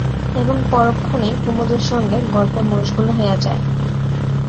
এবং পরক্ষণেই কুমুদের সঙ্গে গল্পে মশগুল হইয়া যায়।